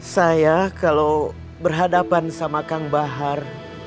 saya kalau berhadapan sama kang bahar